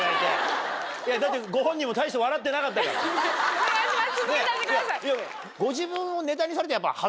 お願いします